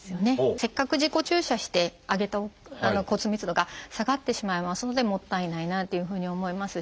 せっかく自己注射して上げた骨密度が下がってしまいますのでもったいないなというふうに思いますし。